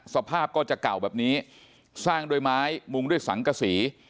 สภาพก็จะเก่าแบบนี้สร้างด้วยไม้มุงด้วยสังกษี